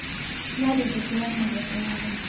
دا د هېټلر مجسمه ده.